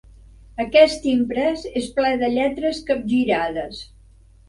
Aquest imprès és ple de lletres capgirades.